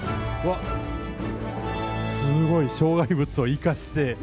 すごい、障害物を生かして。